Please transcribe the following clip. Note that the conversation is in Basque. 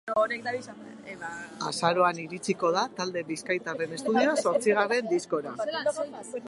Azaroan iritsiko da talde bizkaitarraren estudioko zortzigarren diskoa.